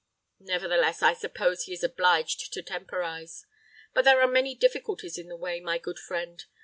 Nevertheless, I suppose he is obliged to temporize. But there are many difficulties in the way, my good friend.